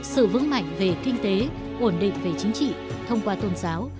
sự vững mạnh về kinh tế ổn định về chính trị thông qua tôn giáo